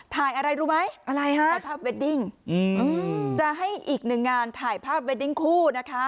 อะไรรู้ไหมอะไรฮะถ่ายภาพเวดดิ้งจะให้อีกหนึ่งงานถ่ายภาพเวดดิ้งคู่นะคะ